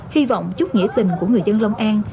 hy vọng chúc nghĩa tình của người dân long an